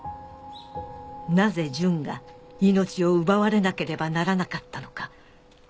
「なぜ淳が命を奪われなければならなかったのか」